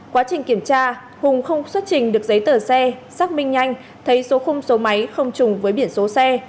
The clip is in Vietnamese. quá trình kiểm tra hùng không xuất trình được giấy tờ xe xác minh nhanh thấy số khung số máy không chùng với biển số xe